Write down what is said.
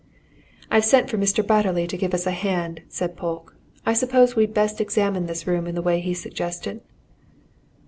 "I've sent for Mr. Batterley to give us a hand," said Polke. "I suppose we'd best examine this room in the way he suggested?"